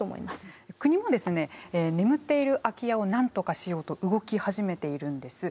国もですね眠っている空き家をなんとかしようと動き始めているんです。